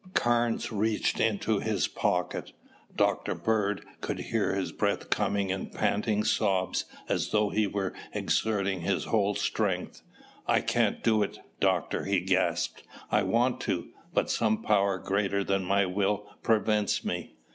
Carnes reached into his pocket. Dr. Bird could hear his breath come in panting sobs as though he were exerting his whole strength. "I can't do it, Doctor," he gasped. "I want to, but some power greater than my will prevents me."